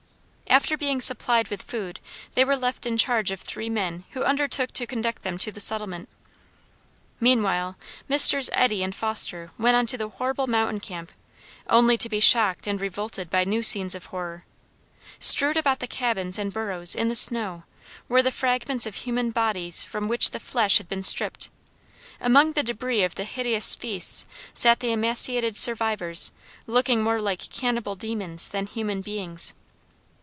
After being supplied with food they were left in charge of three men who undertook to conduct them to the settlement. Meanwhile Messrs. Eddy and Foster went on to the horrible mountain camp only to be shocked and revolted by new scenes of horror. Strewed about the cabins and burrows, in the snow, were the fragments of human bodies from which the flesh had been stripped; among the débris of the hideous feasts sat the emaciated survivors looking more like cannibal demons than human beings.